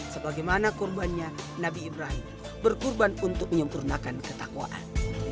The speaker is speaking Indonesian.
sebagaimana korbannya nabi ibrahim berkurban untuk menyempurnakan ketakwaan